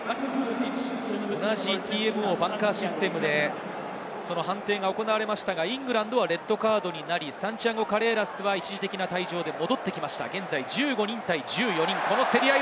同じＴＭＯバンカーシステムで判定が行われましたがイングランドはレッドカードになり、サンティアゴ・カレーラスは一時的な退場で戻ってきました。